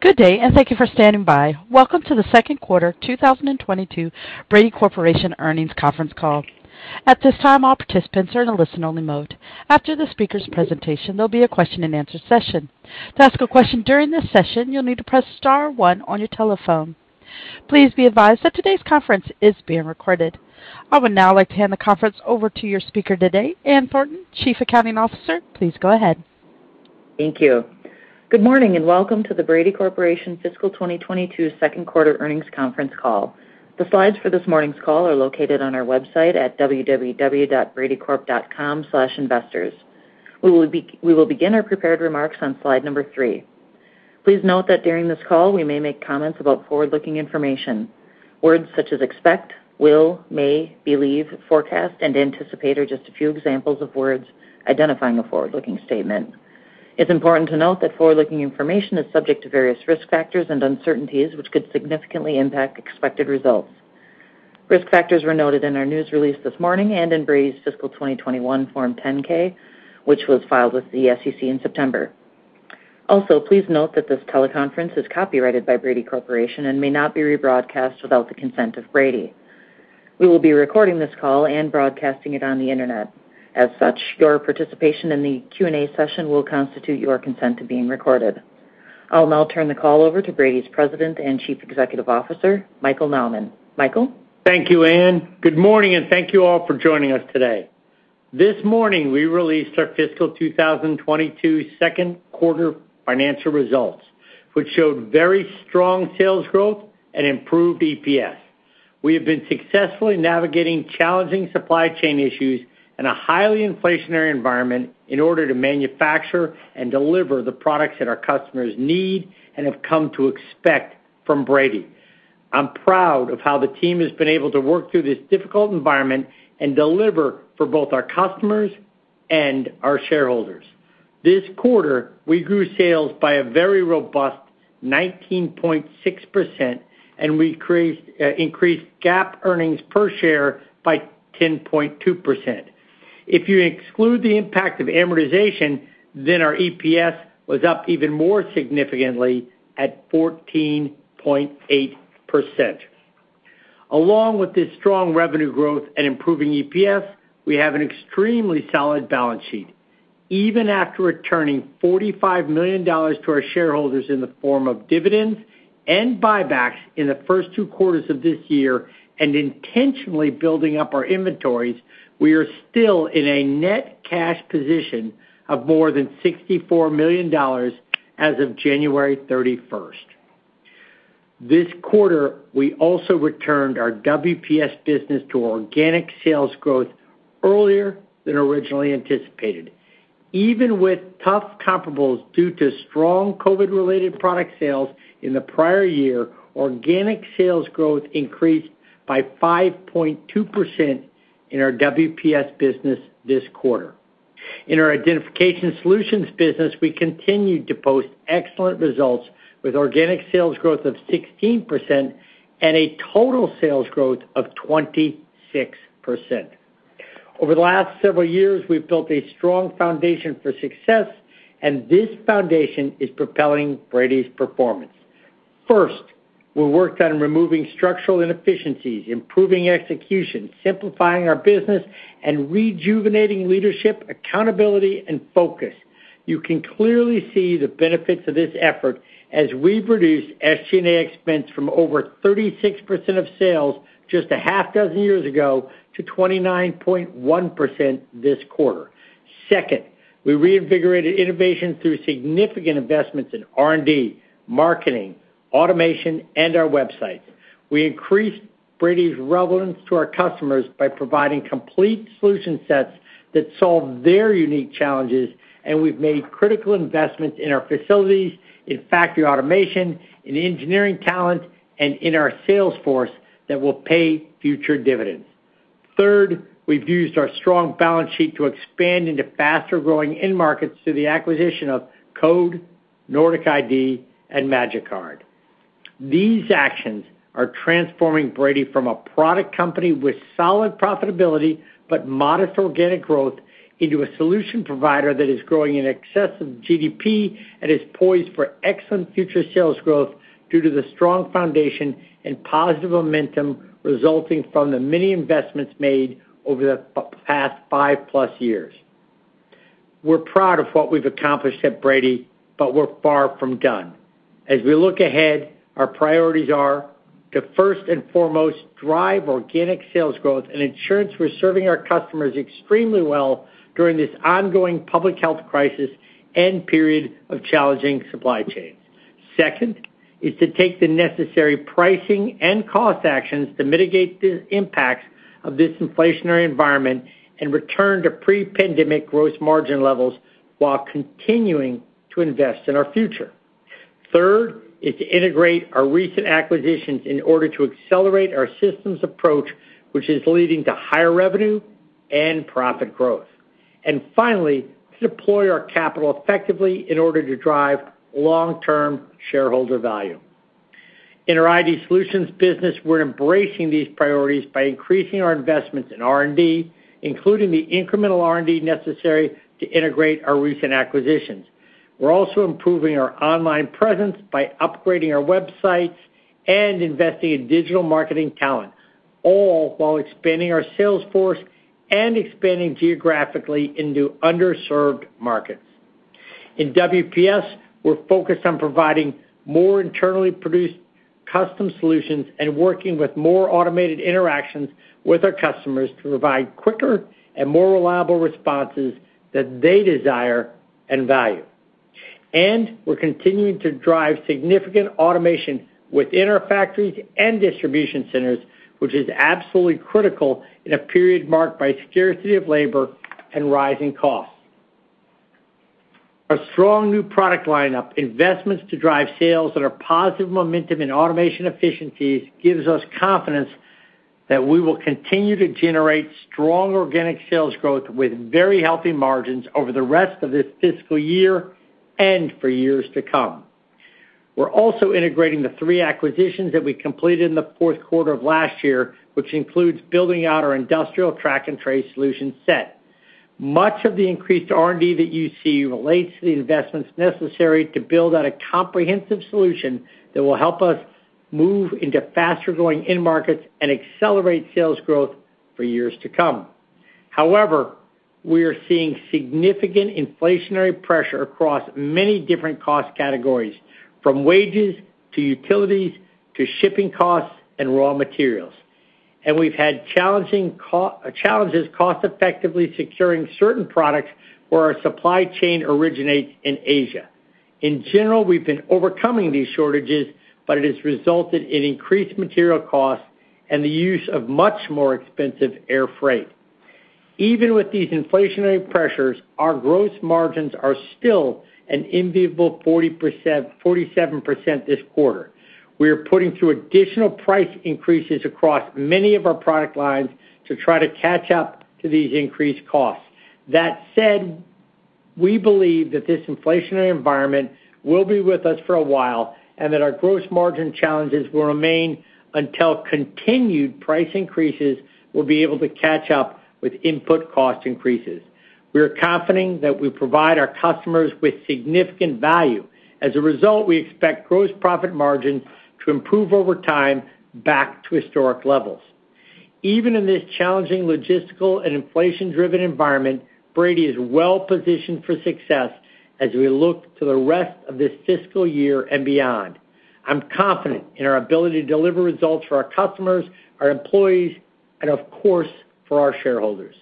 Good day, and thank you for standing by. Welcome to the second quarter 2022 Brady Corporation earnings conference call. At this time, all participants are in a listen-only mode. After the speaker's presentation, there'll be a question-and-answer session. To ask a question during this session, you'll need to press star one on your telephone. Please be advised that today's conference is being recorded. I would now like to hand the conference over to your speaker today, Ann Thornton, Chief Accounting Officer. Please go ahead. Thank you. Good morning, and welcome to the Brady Corporation Fiscal 2022 second quarter earnings conference call. The slides for this morning's call are located on our website at www.bradycorp.com/investors. We will begin our prepared remarks on slide number 3. Please note that during this call, we may make comments about forward-looking information. Words such as expect, will, may, believe, forecast, and anticipate are just a few examples of words identifying a forward-looking statement. It's important to note that forward-looking information is subject to various risk factors and uncertainties, which could significantly impact expected results. Risk factors were noted in our news release this morning and in Brady's fiscal 2021 Form 10-K, which was filed with the SEC in September. Also, please note that this teleconference is copyrighted by Brady Corporation and may not be rebroadcast without the consent of Brady. We will be recording this call and broadcasting it on the Internet. As such, your participation in the Q&A session will constitute your consent to being recorded. I'll now turn the call over to Brady's President and Chief Executive Officer, Michael Nauman. Michael? Thank you, Ann. Good morning, and thank you all for joining us today. This morning, we released our fiscal 2022 second quarter financial results, which showed very strong sales growth and improved EPS. We have been successfully navigating challenging supply chain issues in a highly inflationary environment in order to manufacture and deliver the products that our customers need and have come to expect from Brady. I'm proud of how the team has been able to work through this difficult environment and deliver for both our customers and our shareholders. This quarter, we grew sales by a very robust 19.6%, and we increased GAAP earnings per share by 10.2%. If you exclude the impact of amortization, then our EPS was up even more significantly at 14.8%. Along with this strong revenue growth and improving EPS, we have an extremely solid balance sheet. Even after returning $45 million to our shareholders in the form of dividends and buybacks in the first two quarters of this year and intentionally building up our inventories, we are still in a net cash position of more than $64 million as of January 31st. This quarter, we also returned our WPS business to organic sales growth earlier than originally anticipated. Even with tough comparables due to strong COVID-related product sales in the prior year, organic sales growth increased by 5.2% in our WPS business this quarter. In our Identification Solutions business, we continued to post excellent results with organic sales growth of 16% and a total sales growth of 26%. Over the last several years, we've built a strong foundation for success, and this foundation is propelling Brady's performance. First, we worked on removing structural inefficiencies, improving execution, simplifying our business, and rejuvenating leadership, accountability, and focus. You can clearly see the benefits of this effort as we've reduced SG&A expense from over 36% of sales just 6 years ago to 29.1% this quarter. Second, we reinvigorated innovation through significant investments in R&D, marketing, automation, and our websites. We increased Brady's relevance to our customers by providing complete solution sets that solve their unique challenges, and we've made critical investments in our facilities, in factory automation, in engineering talent, and in our sales force that will pay future dividends. Third, we've used our strong balance sheet to expand into faster-growing end markets through the acquisition of Code, Nordic ID, and Magicard. These actions are transforming Brady from a product company with solid profitability but modest organic growth into a solution provider that is growing in excess of GDP and is poised for excellent future sales growth due to the strong foundation and positive momentum resulting from the many investments made over the past 5+ years. We're proud of what we've accomplished at Brady, but we're far from done. As we look ahead, our priorities are to first and foremost drive organic sales growth and ensure we're serving our customers extremely well during this ongoing public health crisis and period of challenging supply chains. Second is to take the necessary pricing and cost actions to mitigate the impacts of this inflationary environment and return to pre-pandemic gross margin levels while continuing to invest in our future. Third is to integrate our recent acquisitions in order to accelerate our systems approach, which is leading to higher revenue and profit growth. Finally, to deploy our capital effectively in order to drive long-term shareholder value. In our ID Solutions business, we're embracing these priorities by increasing our investments in R&D, including the incremental R&D necessary to integrate our recent acquisitions. We're also improving our online presence by upgrading our websites and investing in digital marketing talent, all while expanding our sales force and expanding geographically into underserved markets. In WPS, we're focused on providing more internally produced custom solutions and working with more automated interactions with our customers to provide quicker and more reliable responses that they desire and value. We're continuing to drive significant automation within our factories and distribution centers, which is absolutely critical in a period marked by scarcity of labor and rising costs. Our strong new product lineup, investments to drive sales and positive momentum in automation efficiencies, gives us confidence that we will continue to generate strong organic sales growth with very healthy margins over the rest of this fiscal year and for years to come. We're also integrating the three acquisitions that we completed in the fourth quarter of last year, which includes building out our industrial track and trace solution set. Much of the increased R&D that you see relates to the investments necessary to build out a comprehensive solution that will help us move into faster-growing end markets and accelerate sales growth for years to come. However, we are seeing significant inflationary pressure across many different cost categories, from wages to utilities to shipping costs and raw materials. We've had challenging challenges cost effectively securing certain products where our supply chain originates in Asia. In general, we've been overcoming these shortages, but it has resulted in increased material costs and the use of much more expensive air freight. Even with these inflationary pressures, our gross margins are still an enviable 47% this quarter. We are putting through additional price increases across many of our product lines to try to catch up to these increased costs. That said, we believe that this inflationary environment will be with us for a while, and that our gross margin challenges will remain until continued price increases will be able to catch up with input cost increases. We are confident that we provide our customers with significant value. As a result, we expect gross profit margin to improve over time back to historic levels. Even in this challenging logistical and inflation-driven environment, Brady is well-positioned for success as we look to the rest of this fiscal year and beyond. I'm confident in our ability to deliver results for our customers, our employees, and of course, for our shareholders.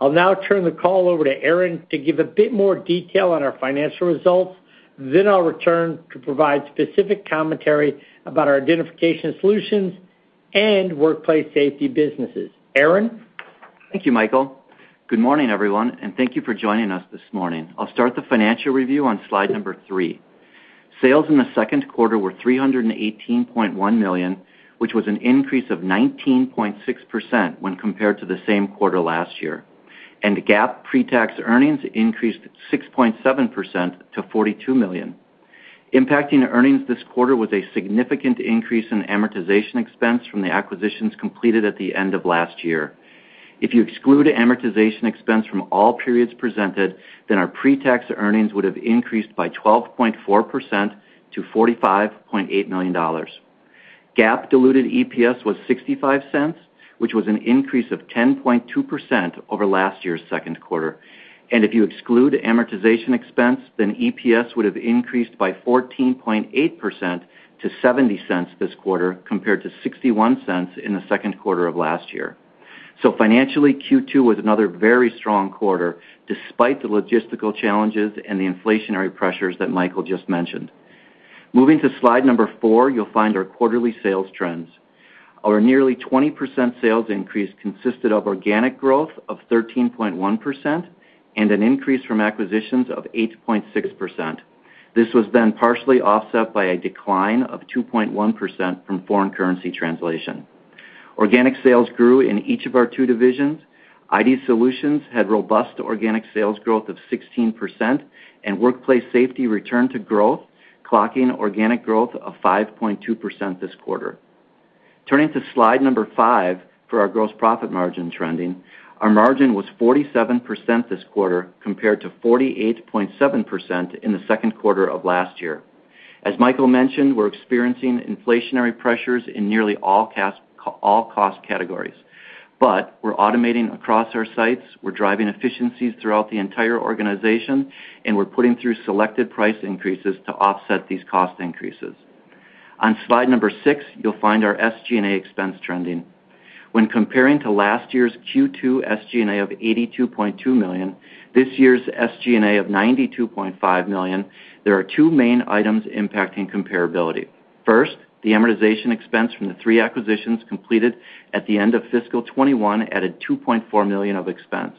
I'll now turn the call over to Aaron to give a bit more detail on our financial results. Then I'll return to provide specific commentary about our Identification Solutions and Workplace Safety businesses. Aaron? Thank you, Michael. Good morning, everyone, and thank you for joining us this morning. I'll start the financial review on slide 3. Sales in the second quarter were $318.1 million, which was an increase of 19.6% when compared to the same quarter last year. GAAP pre-tax earnings increased 6.7% to $42 million. Impacting the earnings this quarter was a significant increase in amortization expense from the acquisitions completed at the end of last year. If you exclude amortization expense from all periods presented, then our pre-tax earnings would have increased by 12.4% to $45.8 million. GAAP diluted EPS was $0.65, which was an increase of 10.2% over last year's second quarter. If you exclude amortization expense, EPS would have increased by 14.8% to $0.70 this quarter, compared to $0.61 in the second quarter of last year. Financially, Q2 was another very strong quarter, despite the logistical challenges and the inflationary pressures that Michael just mentioned. Moving to slide 4, you'll find our quarterly sales trends. Our nearly 20% sales increase consisted of organic growth of 13.1% and an increase from acquisitions of 8.6%. This was then partially offset by a decline of 2.1% from foreign currency translation. Organic sales grew in each of our two divisions. Identification Solutions had robust organic sales growth of 16%, and Workplace Safety returned to growth, clocking organic growth of 5.2% this quarter. Turning to slide 5 for our gross profit margin trending. Our margin was 47% this quarter, compared to 48.7% in the second quarter of last year. As Michael mentioned, we're experiencing inflationary pressures in nearly all cost categories. We're automating across our sites, we're driving efficiencies throughout the entire organization, and we're putting through selected price increases to offset these cost increases. On slide 6, you'll find our SG&A expense trending. When comparing to last year's Q2 SG&A of $82.2 million, this year's SG&A of $92.5 million, there are two main items impacting comparability. First, the amortization expense from the three acquisitions completed at the end of fiscal 2021 added $2.4 million of expense.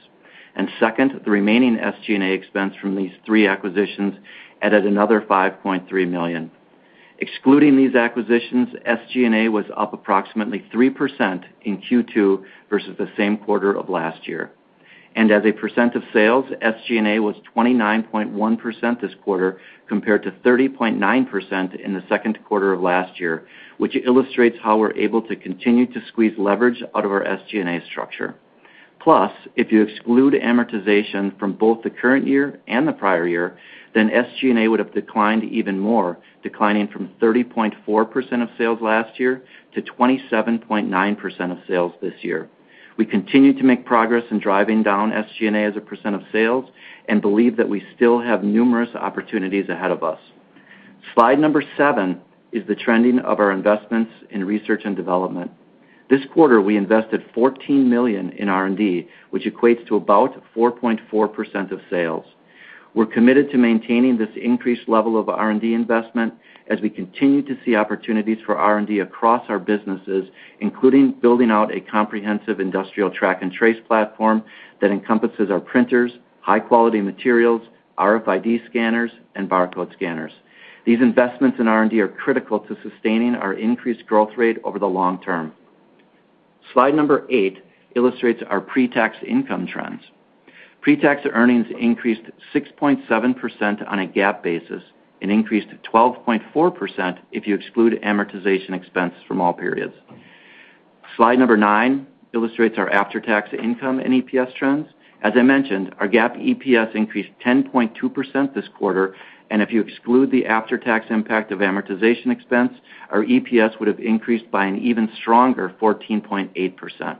Second, the remaining SG&A expense from these three acquisitions added another $5.3 million. Excluding these acquisitions, SG&A was up approximately 3% in Q2 versus the same quarter of last year. As a percent of sales, SG&A was 29.1% this quarter compared to 30.9% in the second quarter of last year, which illustrates how we're able to continue to squeeze leverage out of our SG&A structure. Plus, if you exclude amortization from both the current year and the prior year, then SG&A would have declined even more, declining from 30.4% of sales last year to 27.9% of sales this year. We continue to make progress in driving down SG&A as a percent of sales and believe that we still have numerous opportunities ahead of us. Slide number 7 is the trending of our investments in research and development. This quarter, we invested $14 million in R&D, which equates to about 4.4% of sales. We're committed to maintaining this increased level of R&D investment as we continue to see opportunities for R&D across our businesses, including building out a comprehensive industrial track-and-trace platform that encompasses our printers, high-quality materials, RFID scanners, and barcode scanners. These investments in R&D are critical to sustaining our increased growth rate over the long term. Slide 8 illustrates our pre-tax income trends. Pre-tax earnings increased 6.7% on a GAAP basis, an increase to 12.4% if you exclude amortization expense from all periods. Slide 9 illustrates our after-tax income and EPS trends. As I mentioned, our GAAP EPS increased 10.2% this quarter, and if you exclude the after-tax impact of amortization expense, our EPS would have increased by an even stronger 14.8%.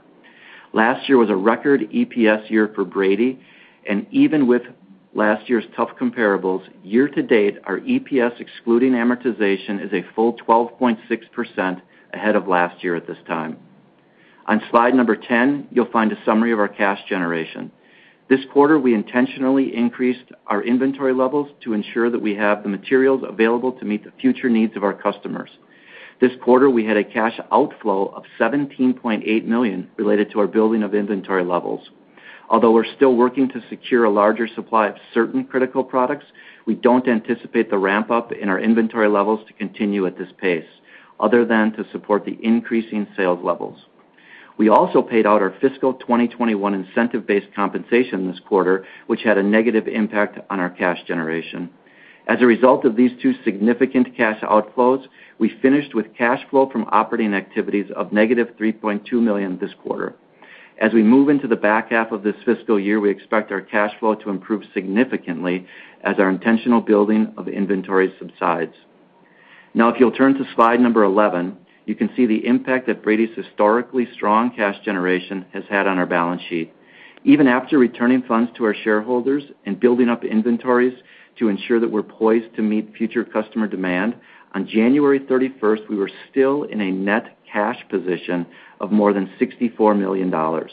Last year was a record EPS year for Brady, and even with last year's tough comparables, year-to-date, our EPS excluding amortization is a full 12.6% ahead of last year at this time. On slide 10, you'll find a summary of our cash generation. This quarter, we intentionally increased our inventory levels to ensure that we have the materials available to meet the future needs of our customers. This quarter, we had a cash outflow of $17.8 million related to our building of inventory levels. Although we're still working to secure a larger supply of certain critical products, we don't anticipate the ramp-up in our inventory levels to continue at this pace, other than to support the increasing sales levels. We also paid out our fiscal 2021 incentive-based compensation this quarter, which had a negative impact on our cash generation. As a result of these two significant cash outflows, we finished with cash flow from operating activities of -$3.2 million this quarter. As we move into the back half of this fiscal year, we expect our cash flow to improve significantly as our intentional building of inventory subsides. Now, if you'll turn to slide number 11, you can see the impact that Brady's historically strong cash generation has had on our balance sheet. Even after returning funds to our shareholders and building up inventories to ensure that we're poised to meet future customer demand, on January 31, we were still in a net cash position of more than $64 million. Our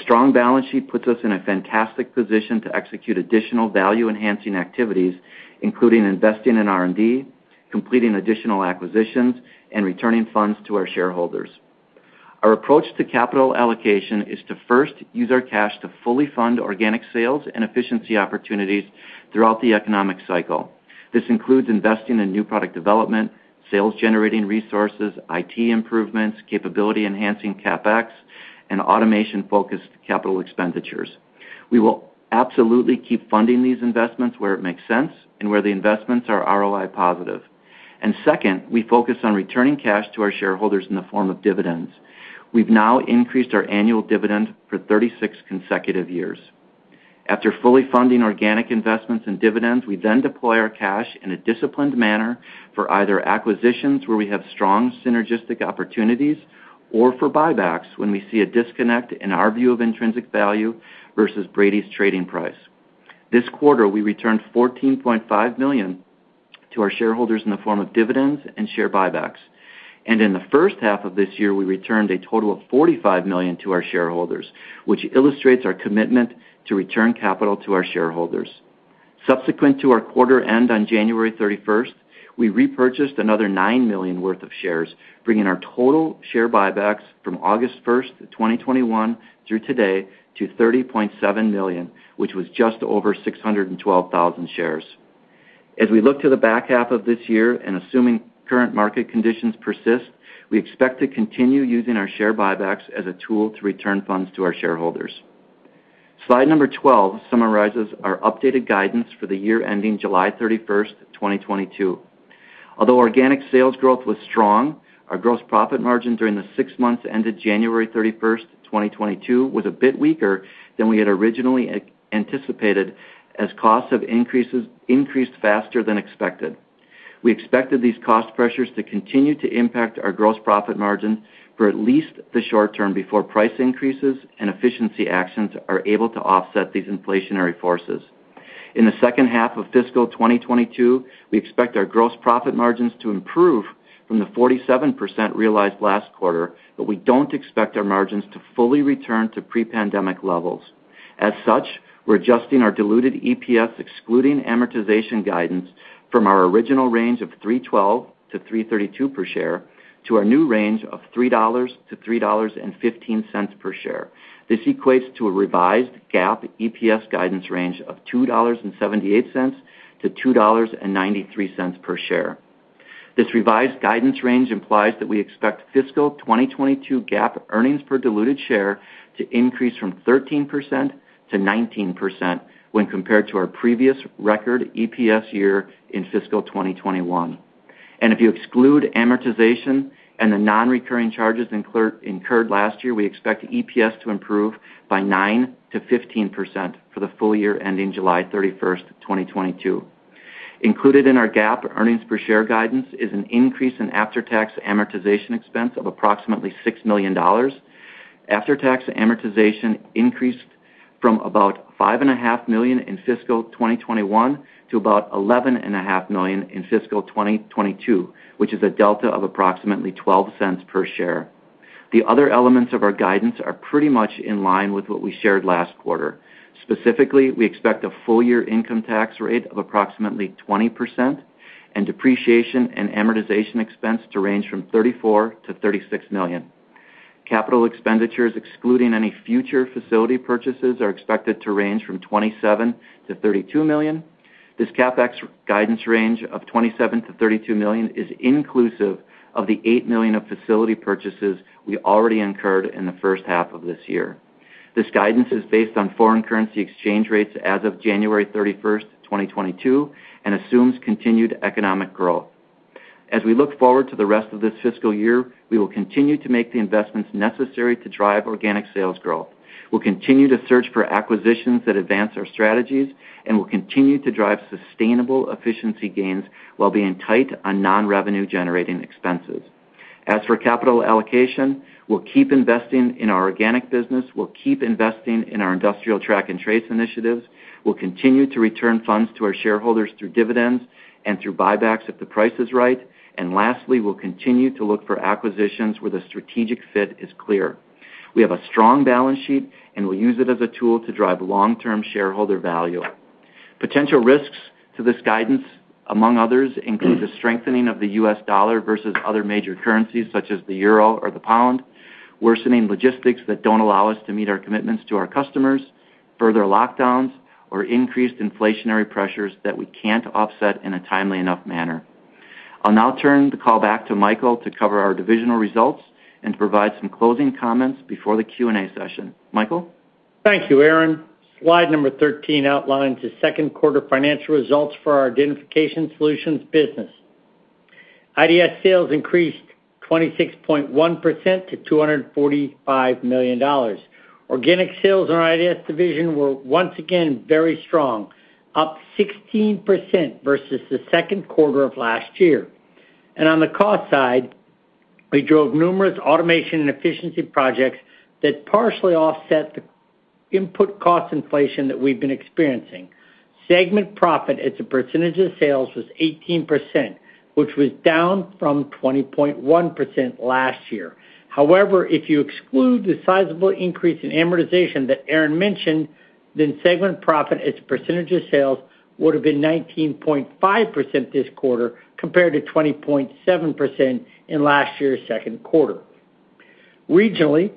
strong balance sheet puts us in a fantastic position to execute additional value-enhancing activities, including investing in R&D, completing additional acquisitions, and returning funds to our shareholders. Our approach to capital allocation is to first use our cash to fully fund organic sales and efficiency opportunities throughout the economic cycle. This includes investing in new product development, sales-generating resources, IT improvements, capability-enhancing CapEx, and automation-focused capital expenditures. We will absolutely keep funding these investments where it makes sense and where the investments are ROI positive. Second, we focus on returning cash to our shareholders in the form of dividends. We've now increased our annual dividend for 36 consecutive years. After fully funding organic investments and dividends, we then deploy our cash in a disciplined manner for either acquisitions where we have strong synergistic opportunities or for buybacks when we see a disconnect in our view of intrinsic value versus Brady's trading price. This quarter, we returned $14.5 million to our shareholders in the form of dividends and share buybacks. In the first half of this year, we returned a total of $45 million to our shareholders, which illustrates our commitment to return capital to our shareholders. Subsequent to our quarter end on January 31, we repurchased another $9 million worth of shares, bringing our total share buybacks from August 1, 2021 through today to $30.7 million, which was just over 612,000 shares. As we look to the back half of this year and assuming current market conditions persist, we expect to continue using our share buybacks as a tool to return funds to our shareholders. Slide number 12 summarizes our updated guidance for the year ending July 31, 2022. Although organic sales growth was strong, our gross profit margin during the six months ended January 31, 2022 was a bit weaker than we had originally anticipated as costs have increased faster than expected. We expect these cost pressures to continue to impact our gross profit margin for at least the short term before price increases and efficiency actions are able to offset these inflationary forces. In the second half of fiscal 2022, we expect our gross profit margins to improve from the 47% realized last quarter, but we don't expect our margins to fully return to pre-pandemic levels. As such, we're adjusting our diluted EPS excluding amortization guidance from our original range of $3.12-$3.32 per share to our new range of $3.00-$3.15 per share. This equates to a revised GAAP EPS guidance range of $2.78-$2.93 per share. This revised guidance range implies that we expect fiscal 2022 GAAP earnings per diluted share to increase from 13%-19% when compared to our previous record EPS year in fiscal 2021. If you exclude amortization and the non-recurring charges incurred last year, we expect EPS to improve by 9%-15% for the full year ending July 31st, 2022. Included in our GAAP earnings per share guidance is an increase in after-tax amortization expense of approximately $6 million. After-tax amortization increased from about $5.5 million in fiscal 2021 to about $11.5 million in fiscal 2022, which is a delta of approximately $0.12 per share. The other elements of our guidance are pretty much in line with what we shared last quarter. Specifically, we expect a full year income tax rate of approximately 20% and depreciation and amortization expense to range from $34 million-$36 million. Capital expenditures, excluding any future facility purchases, are expected to range from $27 million-$32 million. This CapEx guidance range of $27 million-$32 million is inclusive of the $8 million of facility purchases we already incurred in the first half of this year. This guidance is based on foreign currency exchange rates as of January 31st, 2022, and assumes continued economic growth. As we look forward to the rest of this fiscal year, we will continue to make the investments necessary to drive organic sales growth. We'll continue to search for acquisitions that advance our strategies, and we'll continue to drive sustainable efficiency gains while being tight on non-revenue generating expenses. As for capital allocation, we'll keep investing in our organic business, we'll keep investing in our industrial track and trace initiatives, we'll continue to return funds to our shareholders through dividends and through buybacks if the price is right. Lastly, we'll continue to look for acquisitions where the strategic fit is clear. We have a strong balance sheet, and we'll use it as a tool to drive long-term shareholder value. Potential risks to this guidance, among others, include the strengthening of the U.S. dollar versus other major currencies such as the euro or the pound, worsening logistics that don't allow us to meet our commitments to our customers, further lockdowns or increased inflationary pressures that we can't offset in a timely enough manner. I'll now turn the call back to Michael to cover our divisional results and to provide some closing comments before the Q&A session. Michael? Thank you, Aaron. Slide 13 outlines the second quarter financial results for our Identification Solutions business. IDS sales increased 26.1% to $245 million. Organic sales in our IDS division were once again very strong, up 16% versus the second quarter of last year. On the cost side, we drove numerous automation and efficiency projects that partially offset the input cost inflation that we've been experiencing. Segment profit as a percentage of sales was 18%, which was down from 20.1% last year. However, if you exclude the sizable increase in amortization that Aaron mentioned, then segment profit as a percentage of sales would have been 19.5% this quarter compared to 20.7% in last year's second quarter. Regionally,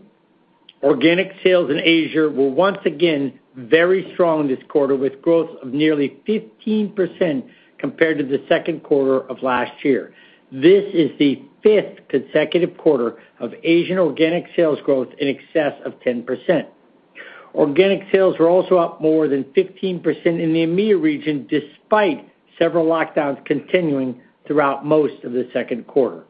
organic sales in Asia were once again very strong this quarter with growth of nearly 15% compared to the second quarter of last year. This is the fifth consecutive quarter of Asian organic sales growth in excess of 10%. Organic sales were also up more than 15% in the EMEA region, despite several lockdowns continuing throughout most of the second quarter.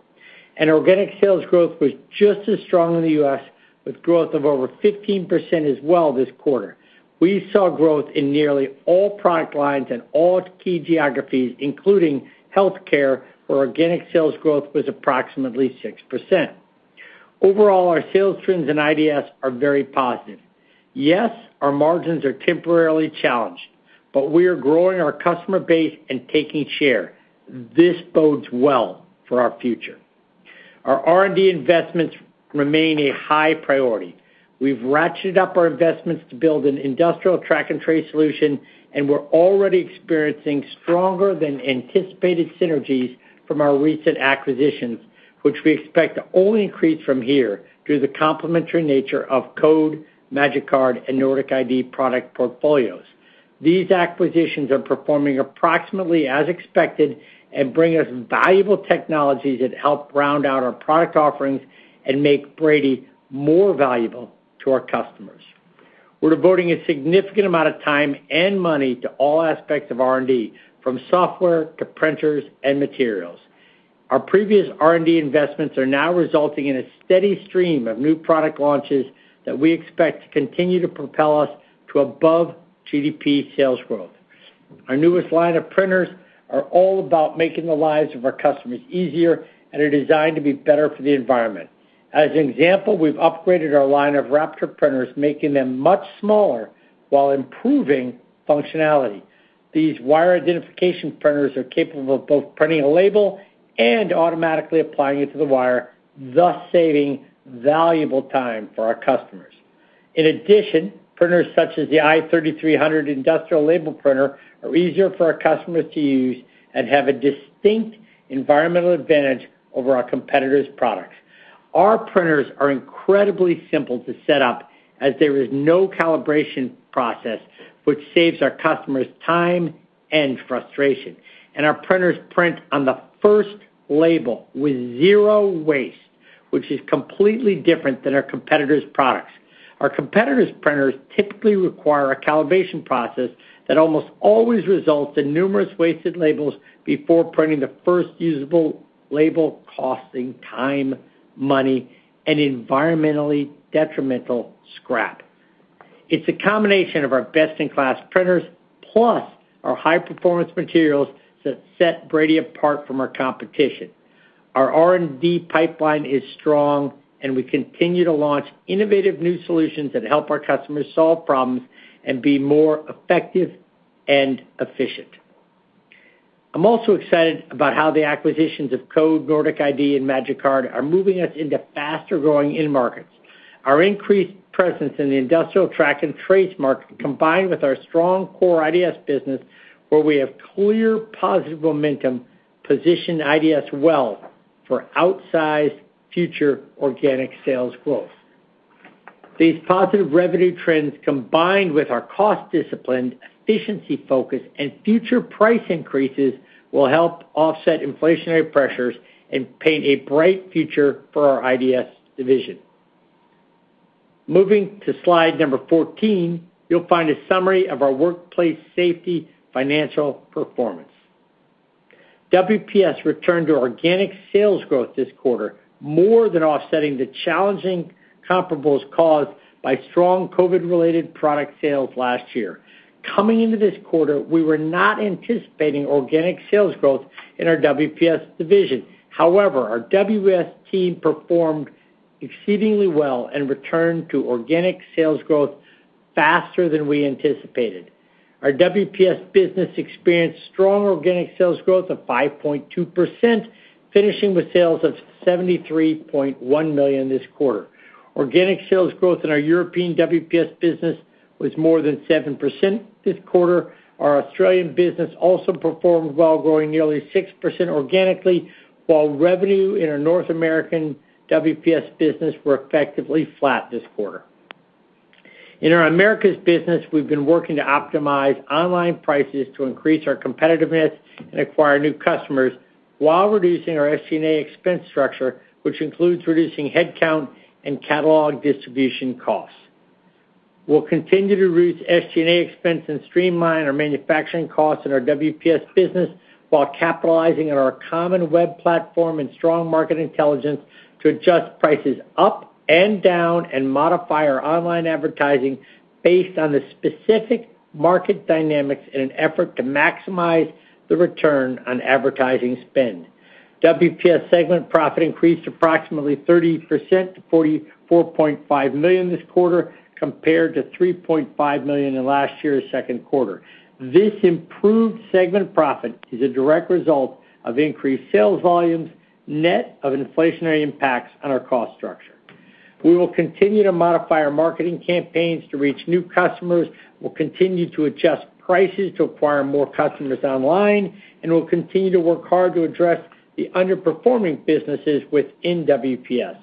Organic sales growth was just as strong in the U.S., with growth of over 15% as well this quarter. We saw growth in nearly all product lines and all key geographies, including healthcare, where organic sales growth was approximately 6%. Overall, our sales trends in IDS are very positive. Yes, our margins are temporarily challenged, but we are growing our customer base and taking share. This bodes well for our future. Our R&D investments remain a high priority. We've ratcheted up our investments to build an industrial track and trace solution, and we're already experiencing stronger than anticipated synergies from our recent acquisitions, which we expect to only increase from here through the complementary nature of Code, Magicard, and Nordic ID product portfolios. These acquisitions are performing approximately as expected and bring us valuable technologies that help round out our product offerings and make Brady more valuable to our customers. We're devoting a significant amount of time and money to all aspects of R&D, from software to printers and materials. Our previous R&D investments are now resulting in a steady stream of new product launches that we expect to continue to propel us to above GDP sales growth. Our newest line of printers are all about making the lives of our customers easier and are designed to be better for the environment. As an example, we've upgraded our line of Wraptor printers, making them much smaller while improving functionality. These wire identification printers are capable of both printing a label and automatically applying it to the wire, thus saving valuable time for our customers. In addition, printers such as the i3300 industrial label printer are easier for our customers to use and have a distinct environmental advantage over our competitors' products. Our printers are incredibly simple to set up as there is no calibration process, which saves our customers time and frustration. Our printers print on the first label with zero waste, which is completely different than our competitors' products. Our competitors' printers typically require a calibration process that almost always results in numerous wasted labels before printing the first usable label, costing time, money, and environmentally detrimental scrap. It's a combination of our best-in-class printers plus our high-performance materials that set Brady apart from our competition. Our R&D pipeline is strong, and we continue to launch innovative new solutions that help our customers solve problems and be more effective and efficient. I'm also excited about how the acquisitions of Code, Nordic ID, and Magicard are moving us into faster-growing end markets. Our increased presence in the industrial track and trace market, combined with our strong core IDS business, where we have clear positive momentum, position IDS well for outsized future organic sales growth. These positive revenue trends, combined with our cost discipline, efficiency focus, and future price increases, will help offset inflationary pressures and paint a bright future for our IDS division. Moving to slide number 14, you'll find a summary of our Workplace Safety financial performance. WPS returned to organic sales growth this quarter, more than offsetting the challenging comparables caused by strong COVID-related product sales last year. Coming into this quarter, we were not anticipating organic sales growth in our WPS division. However, our WPS team performed exceedingly well and returned to organic sales growth faster than we anticipated. Our WPS business experienced strong organic sales growth of 5.2%, finishing with sales of $73.1 million this quarter. Organic sales growth in our European WPS business was more than 7% this quarter. Our Australian business also performed well, growing nearly 6% organically, while revenue in our North American WPS business were effectively flat this quarter. In our Americas business, we've been working to optimize online prices to increase our competitiveness and acquire new customers while reducing our SG&A expense structure, which includes reducing headcount and catalog distribution costs. We'll continue to reduce SG&A expense and streamline our manufacturing costs in our WPS business while capitalizing on our common web platform and strong market intelligence to adjust prices up and down and modify our online advertising based on the specific market dynamics in an effort to maximize the return on advertising spend. WPS segment profit increased approximately 30% to $44.5 million this quarter compared to $3.5 million in last year's second quarter. This improved segment profit is a direct result of increased sales volumes, net of inflationary impacts on our cost structure. We will continue to modify our marketing campaigns to reach new customers. We'll continue to adjust prices to acquire more customers online, and we'll continue to work hard to address the underperforming businesses within WPS.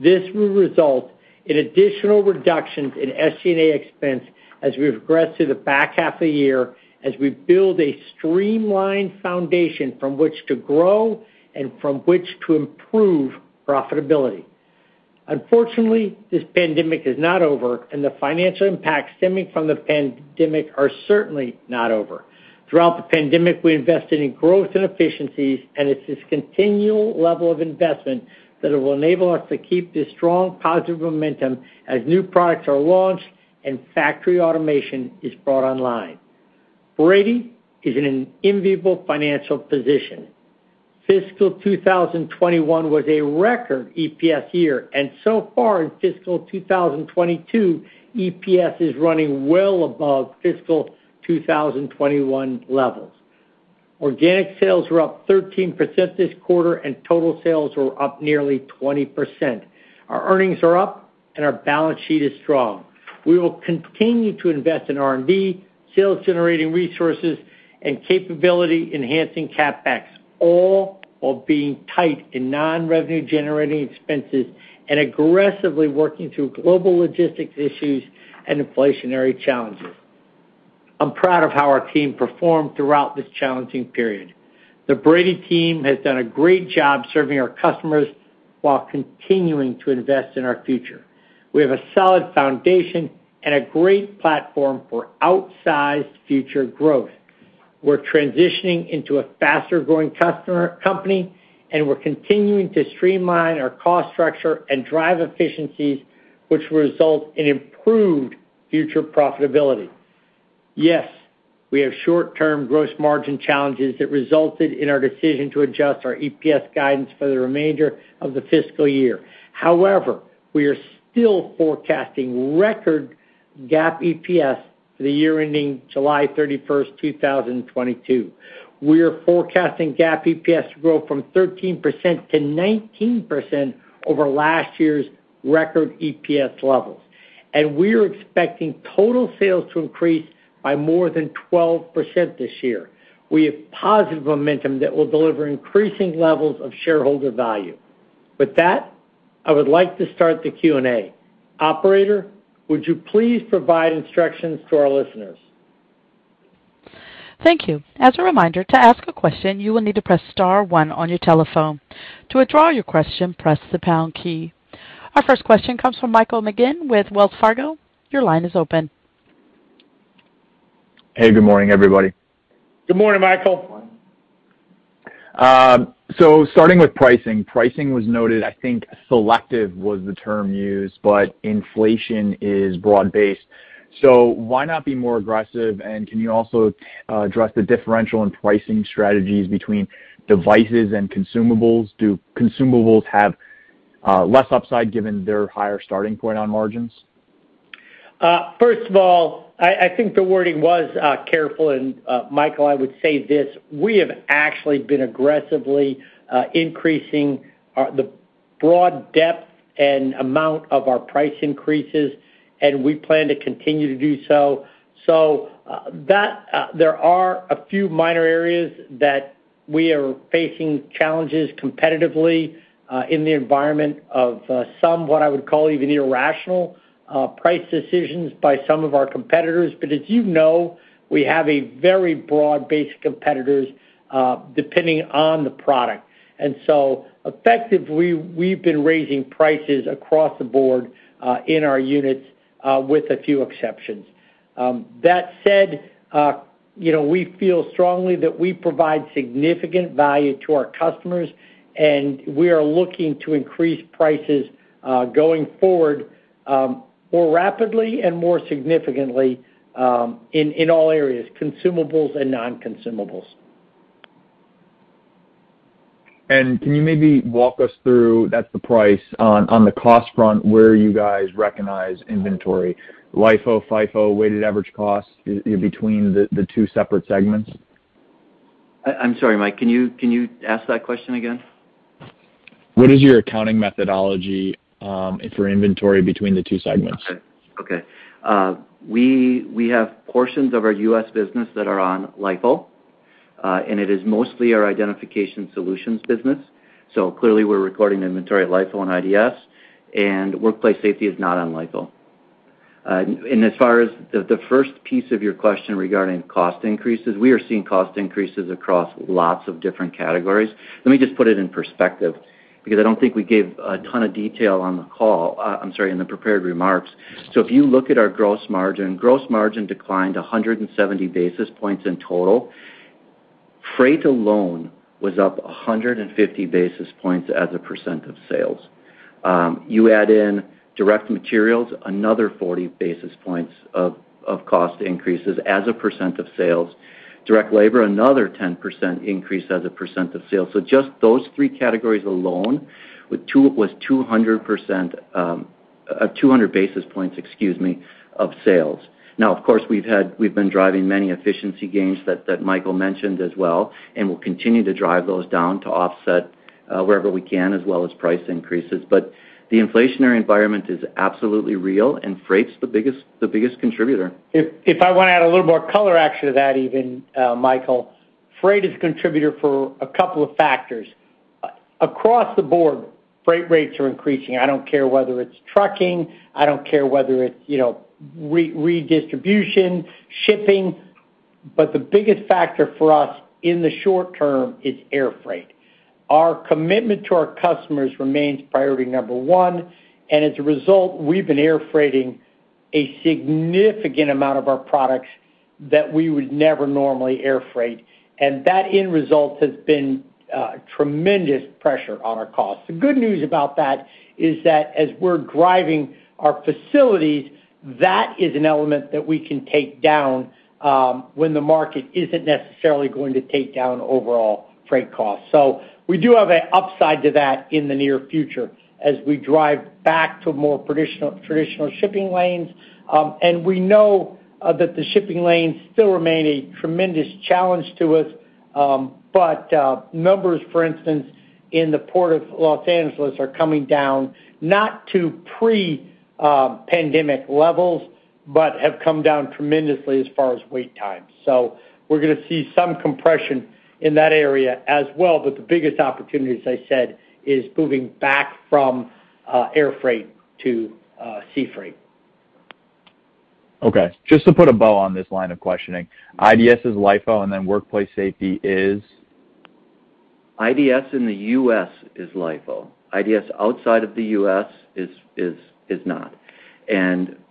This will result in additional reductions in SG&A expense as we progress through the back half of the year as we build a streamlined foundation from which to grow and from which to improve profitability. Unfortunately, this pandemic is not over, and the financial impacts stemming from the pandemic are certainly not over. Throughout the pandemic, we invested in growth and efficiencies, and it's this continual level of investment that will enable us to keep this strong, positive momentum as new products are launched and factory automation is brought online. Brady is in an enviable financial position. Fiscal 2021 was a record EPS year, and so far in fiscal 2022, EPS is running well above fiscal 2021 levels. Organic sales were up 13% this quarter, and total sales were up nearly 20%. Our earnings are up, and our balance sheet is strong. We will continue to invest in R&D, sales-generating resources, and capability-enhancing CapEx, all while being tight in non-revenue-generating expenses and aggressively working through global logistics issues and inflationary challenges. I'm proud of how our team performed throughout this challenging period. The Brady team has done a great job serving our customers while continuing to invest in our future. We have a solid foundation and a great platform for outsized future growth. We're transitioning into a faster-growing customer company, and we're continuing to streamline our cost structure and drive efficiencies, which result in improved future profitability. Yes, we have short-term gross margin challenges that resulted in our decision to adjust our EPS guidance for the remainder of the fiscal year. However, we are still forecasting record GAAP EPS for the year ending July 31st, 2022. We are forecasting GAAP EPS to grow from 13%-19% over last year's record EPS levels. We are expecting total sales to increase by more than 12% this year. We have positive momentum that will deliver increasing levels of shareholder value. With that, I would like to start the Q&A. Operator, would you please provide instructions to our listeners? Thank you. As a reminder, to ask a question, you will need to press star one on your telephone. To withdraw your question, press the pound key. Our first question comes from Michael McGinn with Wells Fargo. Your line is open. Hey, good morning, everybody. Good morning, Michael. Starting with pricing. Pricing was noted, I think selective was the term used, but inflation is broad-based. Why not be more aggressive? Can you also address the differential in pricing strategies between devices and consumables? Do consumables have less upside given their higher starting point on margins? First of all, I think the wording was careful, and Michael, I would say this: We have actually been aggressively increasing the broad depth and amount of our price increases, and we plan to continue to do so. That there are a few minor areas that we are facing challenges competitively in the environment of some, what I would call even irrational price decisions by some of our competitors. As you know, we have a very broad base of competitors depending on the product. Effectively, we've been raising prices across the board in our units with a few exceptions. That said, you know, we feel strongly that we provide significant value to our customers, and we are looking to increase prices going forward more rapidly and more significantly in all areas, consumables and non-consumables. Can you maybe walk us through, that's the price on the cost front, where you guys recognize inventory, LIFO, FIFO, weighted average cost in between the two separate segments? I'm sorry, Mike, can you ask that question again? What is your accounting methodology, for inventory between the two segments? We have portions of our U.S. business that are on LIFO, and it is mostly our Identification Solutions business. Clearly, we're recording inventory at LIFO on IDS, and Workplace Safety is not on LIFO. As far as the first piece of your question regarding cost increases, we are seeing cost increases across lots of different categories. Let me just put it in perspective because I don't think we gave a ton of detail in the prepared remarks. If you look at our gross margin, gross margin declined 170 basis points in total. Freight alone was up 150 basis points as a percent of sales. You add in direct materials, another 40 basis points of cost increases as a percent of sales. Direct labor, another 10% increase as a percent of sales. Just those three categories alone 200 basis points, excuse me, of sales. Now, of course, we've been driving many efficiency gains that Michael mentioned as well, and we'll continue to drive those down to offset wherever we can, as well as price increases. The inflationary environment is absolutely real, and freight's the biggest contributor. If I want to add a little more color actually to that even, Michael. Freight is a contributor for a couple of factors. Across the board, freight rates are increasing. I don't care whether it's trucking, I don't care whether it's, you know, redistribution, shipping. But the biggest factor for us in the short term is air freight. Our commitment to our customers remains priority number one, and as a result, we've been air freighting a significant amount of our products that we would never normally air freight. That end result has been tremendous pressure on our costs. The good news about that is that as we're driving our facilities, that is an element that we can take down when the market isn't necessarily going to take down overall freight costs. We do have an upside to that in the near future as we drive back to more traditional shipping lanes. We know that the shipping lanes still remain a tremendous challenge to us, but numbers, for instance, in the Port of Los Angeles are coming down, not to pre-pandemic levels, but have come down tremendously as far as wait time. We're gonna see some compression in that area as well. The biggest opportunity, as I said, is moving back from air freight to sea freight. Okay. Just to put a bow on this line of questioning, IDS is LIFO, and then Workplace Safety is? IDS in the U.S. is LIFO. IDS outside of the U.S. is not.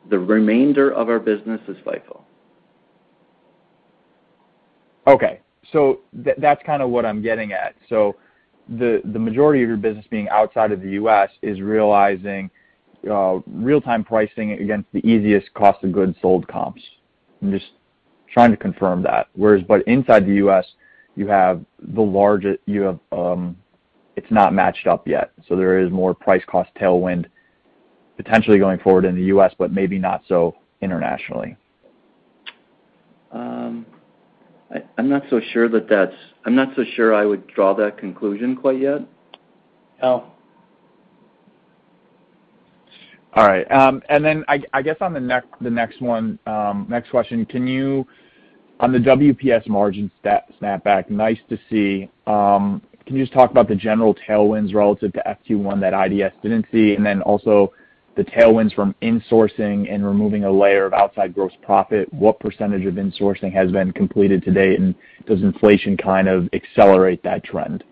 The remainder of our business is LIFO. Okay. That's kinda what I'm getting at. The majority of your business being outside of the U.S. is realizing real-time pricing against the easiest cost of goods sold comps. I'm just trying to confirm that. But inside the U.S., it's not matched up yet, so there is more price cost tailwind potentially going forward in the U.S., but maybe not so internationally. I'm not so sure I would draw that conclusion quite yet. I guess the next question, can you talk about the WPS margin snapback, nice to see. Can you just talk about the general tailwinds relative to FY 2021 that IDS didn't see? Then also the tailwinds from insourcing and removing a layer of outside gross profit, what percentage of insourcing has been completed to date, and does inflation kind of accelerate that trend?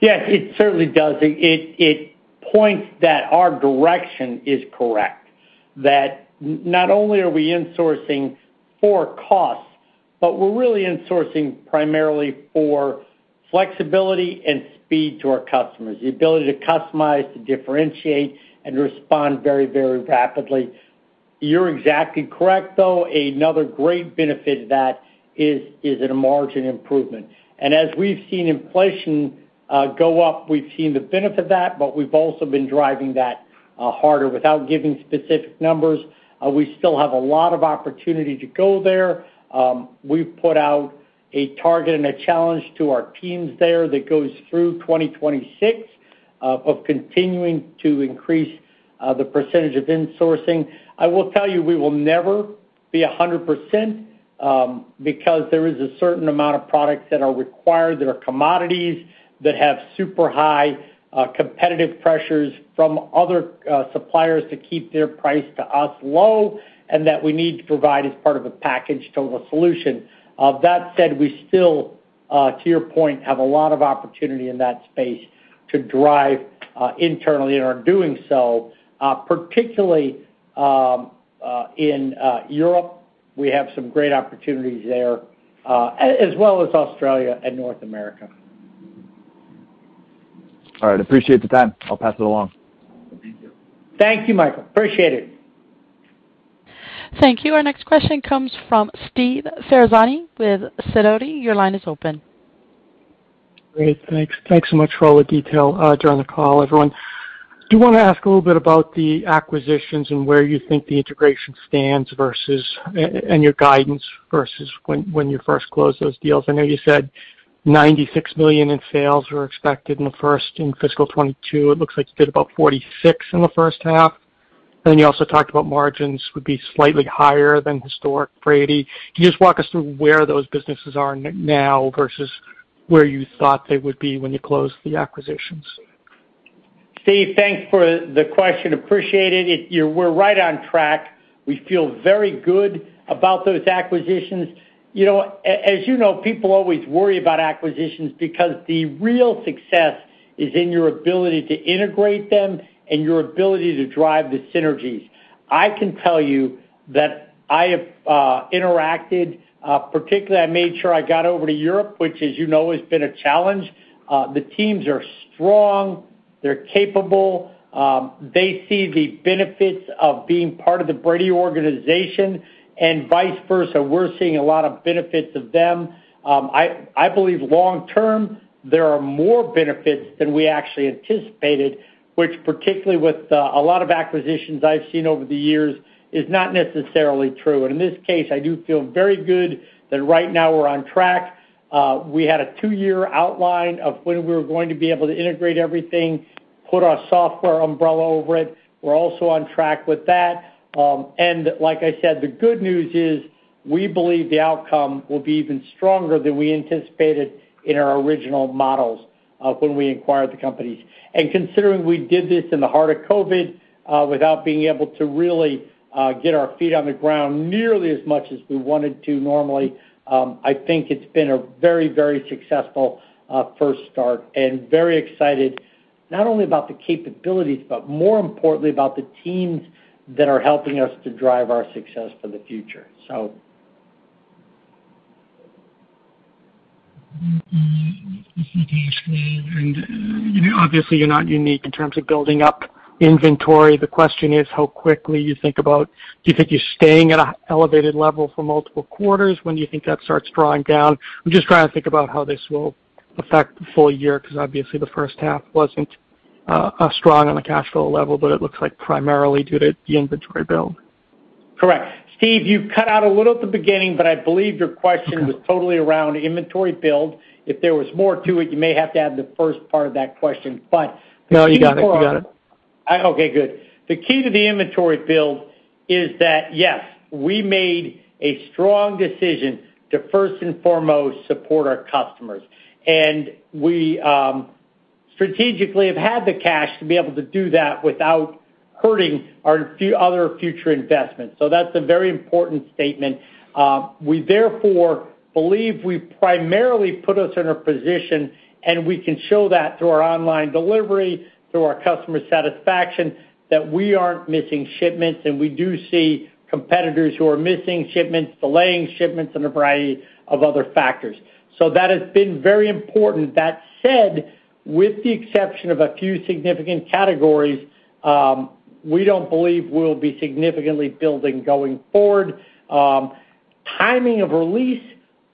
Yes, it certainly does. It points that our direction is correct, that not only are we insourcing for costs, but we're really insourcing primarily for flexibility and speed to our customers, the ability to customize, to differentiate, and respond very, very rapidly. You're exactly correct, though. Another great benefit of that is in a margin improvement. We've seen inflation go up, we've seen the benefit of that, but we've also been driving that harder. Without giving specific numbers, we still have a lot of opportunity to go there. We've put out a target and a challenge to our teams there that goes through 2026 of continuing to increase the percentage of insourcing. I will tell you, we will never be 100%, because there is a certain amount of products that are required that are commodities that have super high competitive pressures from other suppliers to keep their price to us low and that we need to provide as part of a package total solution. That said, we still, to your point, have a lot of opportunity in that space to drive internally, and are doing so. Particularly, in Europe, we have some great opportunities there, as well as Australia and North America. All right. Appreciate the time. I'll pass it along. Thank you, Michael. Appreciate it. Thank you. Our next question comes from Steve Ferazani with Sidoti. Your line is open. Great. Thanks. Thanks so much for all the detail during the call, everyone. Do wanna ask a little bit about the acquisitions and where you think the integration stands versus and your guidance versus when you first closed those deals. I know you said $96 million in sales were expected in fiscal 2022. It looks like you did about $46 million in the first half. You also talked about margins would be slightly higher than historic Brady. Can you just walk us through where those businesses are now versus where you thought they would be when you closed the acquisitions? Steve, thanks for the question. Appreciate it. We're right on track. We feel very good about those acquisitions. You know, as you know, people always worry about acquisitions because the real success is in your ability to integrate them and your ability to drive the synergies. I can tell you that I have interacted, particularly I made sure I got over to Europe, which, as you know, has been a challenge. The teams are strong. They're capable. They see the benefits of being part of the Brady organization, and vice versa, we're seeing a lot of benefits of them. I believe long term, there are more benefits than we actually anticipated, which particularly with a lot of acquisitions I've seen over the years, is not necessarily true. In this case, I do feel very good that right now we're on track. We had a two-year outline of when we were going to be able to integrate everything, put our software umbrella over it. We're also on track with that. Like I said, the good news is we believe the outcome will be even stronger than we anticipated in our original models of when we acquired the companies. Considering we did this in the heart of COVID, without being able to really get our feet on the ground nearly as much as we wanted to normally, I think it's been a very, very successful first start and very excited not only about the capabilities, but more importantly about the teams that are helping us to drive our success for the future. You know, obviously you're not unique in terms of building up inventory. The question is, do you think you're staying at an elevated level for multiple quarters? When do you think that starts drawing down? I'm just trying to think about how this will affect the full year, 'cause obviously the first half wasn't strong on a cash flow level, but it looks like primarily due to the inventory build. Correct. Steve, you cut out a little at the beginning, but I believe your question was totally around inventory build. If there was more to it, you may have to add the first part of that question, but. No, you got it. You got it. Okay, good. The key to the inventory build is that, yes, we made a strong decision to first and foremost support our customers. We strategically have had the cash to be able to do that without hurting our other future investments. That's a very important statement. We therefore believe we've primarily put ourselves in a position, and we can show that through our online delivery, through our customer satisfaction, that we aren't missing shipments, and we do see competitors who are missing shipments, delaying shipments, and a variety of other factors. That has been very important. That said, with the exception of a few significant categories, we don't believe we'll be significantly building going forward. Timing of release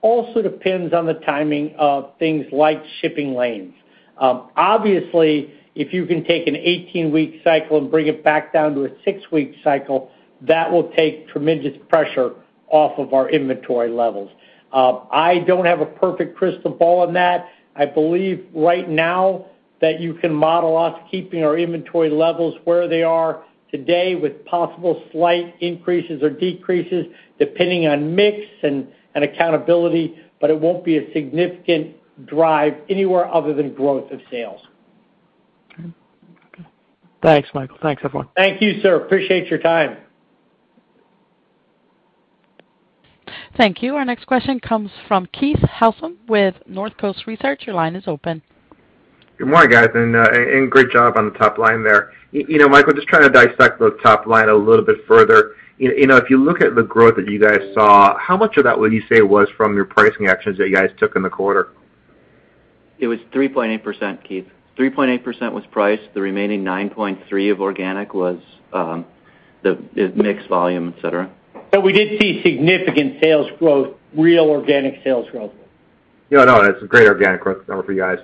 also depends on the timing of things like shipping lanes. Obviously, if you can take an 18-week cycle and bring it back down to a 6-week cycle, that will take tremendous pressure off of our inventory levels. I don't have a perfect crystal ball on that. I believe right now that you can model us keeping our inventory levels where they are today with possible slight increases or decreases depending on mix and accountability, but it won't be a significant drive anywhere other than growth of sales. Okay. Thanks, Michael. Thanks, everyone. Thank you, sir. Appreciate your time. Thank you. Our next question comes from Keith Housum with Northcoast Research. Your line is open. Good morning, guys, and great job on the top line there. You know, Michael, just trying to dissect the top line a little bit further. You know, if you look at the growth that you guys saw, how much of that would you say was from your pricing actions that you guys took in the quarter? It was 3.8%, Keith. 3.8% was price. The remaining 9.3% of organic was the mix volume, etc. We did see significant sales growth, real organic sales growth. Yeah, I know, and it's a great organic growth number for you guys.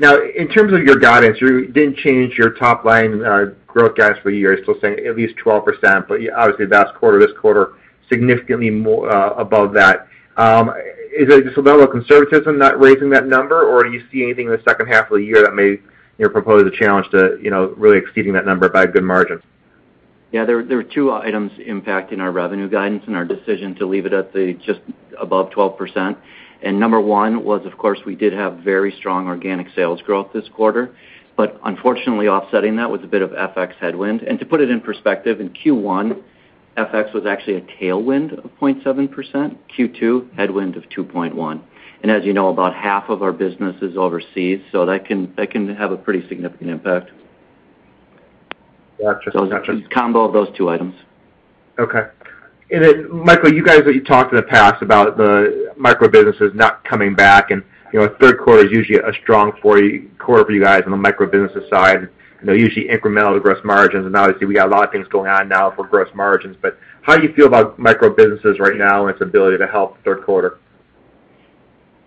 Now in terms of your guidance, you didn't change your top-line growth guidance for the year. You're still saying at least 12%, but obviously the last quarter, this quarter, significantly more above that. Is it just a level of conservatism not raising that number, or do you see anything in the second half of the year that may, you know, pose a challenge to, you know, really exceeding that number by a good margin? Yeah, there were two items impacting our revenue guidance and our decision to leave it at just above 12%. Number one was, of course, we did have very strong organic sales growth this quarter. Unfortunately, offsetting that was a bit of FX headwind. To put it in perspective, in Q1, FX was actually a tailwind of 0.7%. Q2, headwind of 2.1%. As you know, about half of our business is overseas, so that can have a pretty significant impact. Gotcha. It's a combo of those two items. Okay. Michael, you guys, you talked in the past about the micro businesses not coming back, and, you know, third quarter is usually a strong quarter for you guys on the micro businesses side, and they're usually incremental gross margins. Obviously, we got a lot of things going on now for gross margins, but how do you feel about micro businesses right now and its ability to help third quarter?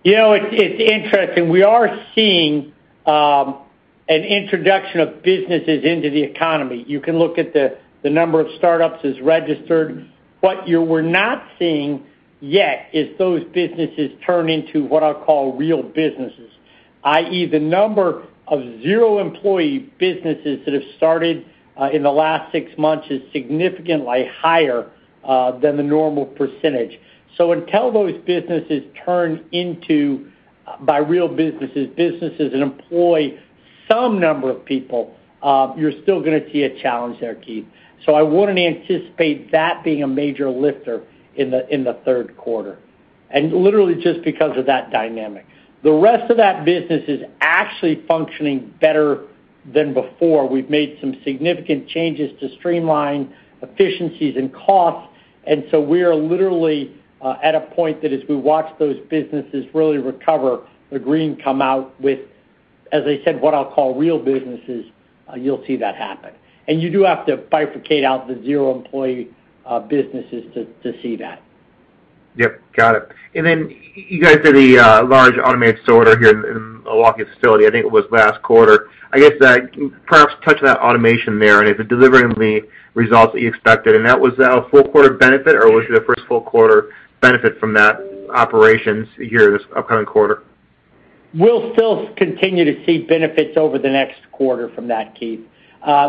You know, it's interesting. We are seeing an introduction of businesses into the economy. You can look at the number of startups is registered. We're not seeing yet is those businesses turn into what I'll call real businesses, i.e., the number of zero-employee businesses that have started in the last six months is significantly higher than the normal percentage. Until those businesses turn into real businesses that employ some number of people, you're still gonna see a challenge there, Keith. I wouldn't anticipate that being a major lifter in the third quarter, and literally just because of that dynamic. The rest of that business is actually functioning better than before. We've made some significant changes to streamline efficiencies and costs, and so we are literally at a point that as we watch those businesses really recover, the green come out with, as I said, what I'll call real businesses, you'll see that happen. You do have to bifurcate out the zero-employee businesses to see that. Yep, got it. Then you guys did a large automated sorter here in the Milwaukee facility. I think it was last quarter. I guess, perhaps touch on that automation there and if it delivering the results that you expected. Was that a full quarter benefit, or was it a first full quarter benefit from that operations here this upcoming quarter? We'll still continue to see benefits over the next quarter from that, Keith.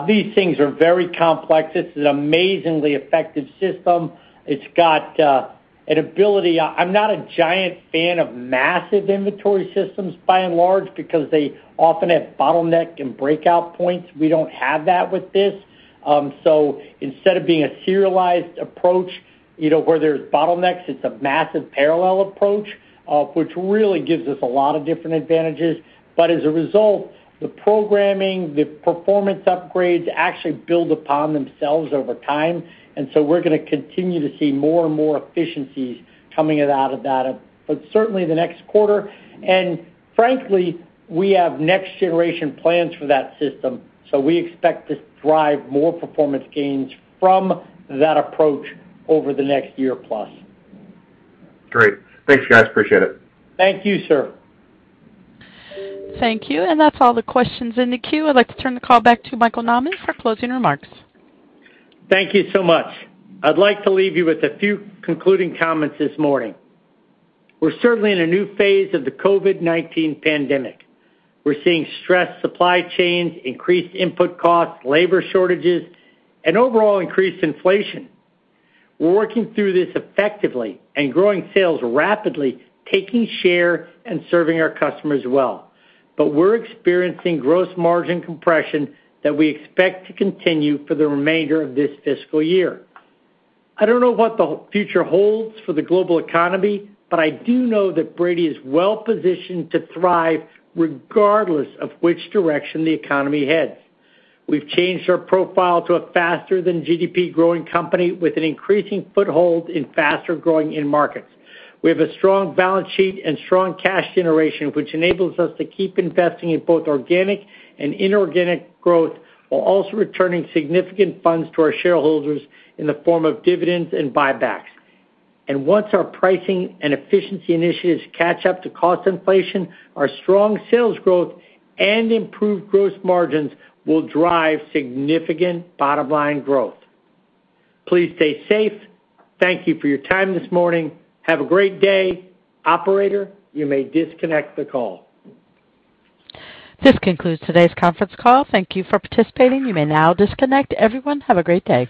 These things are very complex. This is an amazingly effective system. It's got an ability. I'm not a giant fan of massive inventory systems by and large because they often have bottleneck and breakout points. We don't have that with this. Instead of being a serialized approach, you know, where there's bottlenecks, it's a massive parallel approach, which really gives us a lot of different advantages. As a result, the programming, the performance upgrades actually build upon themselves over time. We're gonna continue to see more and more efficiencies coming out of that, but certainly the next quarter. Frankly, we have next generation plans for that system, so we expect to drive more performance gains from that approach over the next year plus. Great. Thanks, guys. Appreciate it. Thank you, sir. Thank you. That's all the questions in the queue. I'd like to turn the call back to Michael Nauman for closing remarks. Thank you so much. I'd like to leave you with a few concluding comments this morning. We're certainly in a new phase of the COVID-19 pandemic. We're seeing stressed supply chains, increased input costs, labor shortages, and overall increased inflation. We're working through this effectively and growing sales rapidly, taking share and serving our customers well. We're experiencing gross margin compression that we expect to continue for the remainder of this fiscal year. I don't know what the future holds for the global economy, but I do know that Brady is well positioned to thrive regardless of which direction the economy heads. We've changed our profile to a faster than GDP growing company with an increasing foothold in faster growing end markets. We have a strong balance sheet and strong cash generation, which enables us to keep investing in both organic and inorganic growth, while also returning significant funds to our shareholders in the form of dividends and buybacks. Once our pricing and efficiency initiatives catch up to cost inflation, our strong sales growth and improved gross margins will drive significant bottom line growth. Please stay safe. Thank you for your time this morning. Have a great day. Operator, you may disconnect the call. This concludes today's conference call. Thank you for participating. You may now disconnect. Everyone, have a great day.